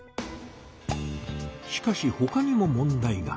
しかしほかにも問題が。